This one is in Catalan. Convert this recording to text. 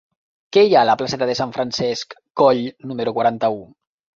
Què hi ha a la placeta de Sant Francesc Coll número quaranta-u?